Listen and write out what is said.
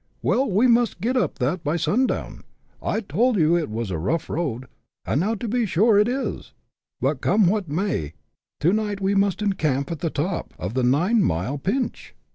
" Well, we must get up that by sundown. I told you it was a rough road, and so, to be sure, it is ; but, come what may, to night we must encamp at the top of the Nine Mile Pinch."